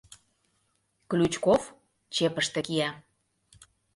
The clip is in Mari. Ключков чепыште кия.